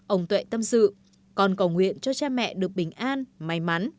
ông tuệ tâm sự còn cầu nguyện cho cha mẹ được bình an may mắn